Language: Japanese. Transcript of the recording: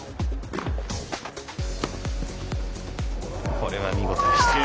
これは見事でした。